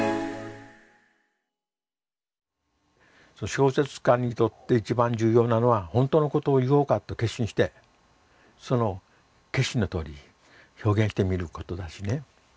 小説家にとって一番重要なのは本当のことを言おうかって決心してその決心のとおり表現してみることですね。